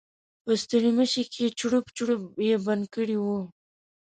په ستړيمشې کې چړپ چړوپ یې بند کړی و.